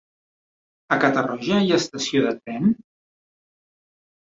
A Catarroja hi ha estació de tren?